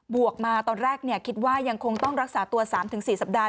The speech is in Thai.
วกมาตอนแรกคิดว่ายังคงต้องรักษาตัว๓๔สัปดาห